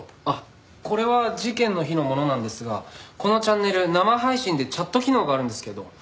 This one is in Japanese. あっこれは事件の日のものなんですがこのチャンネル生配信でチャット機能があるんですけど